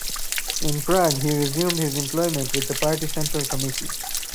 In Prague he resumed his employment with the party central committee.